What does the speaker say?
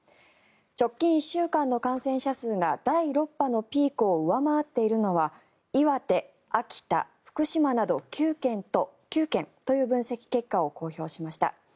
直近１週間の感染者数が第６波のピークを上回っているのは岩手、秋田、福島など９県という分析結果を公表しました。